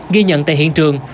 ghi nhận tại hiện trường